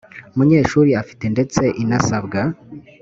munyeshuri afite ndetse inasabwa